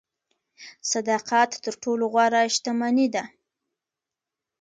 صداقت تر ټولو غوره شتمني ده.